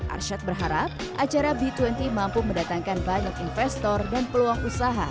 arsyad berharap acara b dua puluh mampu mendatangkan banyak investor dan peluang usaha